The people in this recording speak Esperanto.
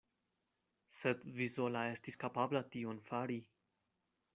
Sed vi sola estas kapabla tion fari.